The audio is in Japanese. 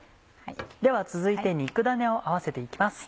では続いて肉ダネを合わせて行きます。